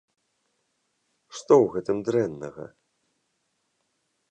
Што ў гэтым дрэннага?!